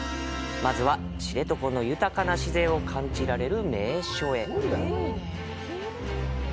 まずは、知床の豊かな自然を感じられる名所へ。